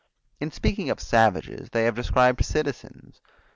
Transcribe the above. In speaking of savages they described citizens.